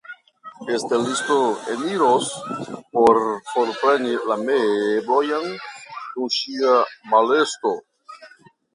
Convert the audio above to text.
Ŝtelisto eniros por forpreni la meblojn dum ŝia malesto.